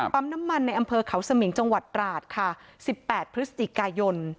น้ำมันในอำเภอเขาสมิงจังหวัดตราดค่ะ๑๘พฤศจิกายน